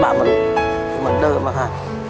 บ้านมันจะเดินมาค่ะ